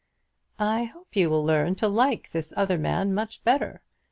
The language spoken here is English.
"I hope you will learn to like this other man much better.